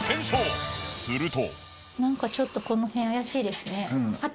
すると。